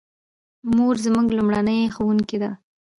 مور زموږ لومړنۍ ښوونکې ده